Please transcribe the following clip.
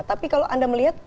banyakan orang kaya gjw